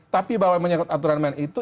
tapi bahwa menyangkut aturan main itu